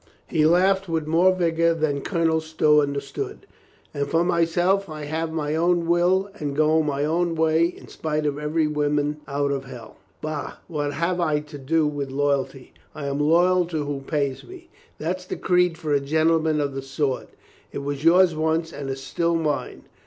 He laughed with more vigor than Colonel Stow understood. "And for myself, I'll have my own will, and go my own way, in spite of every woman out of hell. Bah, what have I to do with loyalty? I am loyal to who pays me. That's the creed for a gentleman of the sword. It was yours once and is still mine.